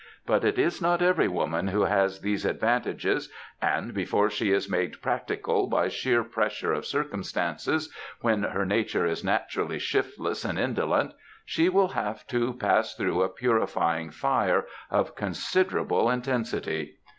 But it is not every woman who has these advantages, and before she is made practical by sheer pressure of circumstances, when her nature is naturally shiftless and indolent, she will have to pass through a purifying fire of considerable intensity.